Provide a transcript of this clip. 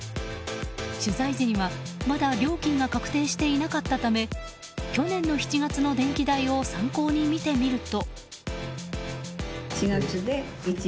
取材時にはまだ料金が確定していなかったため去年の７月の電気代を参考に見てみると。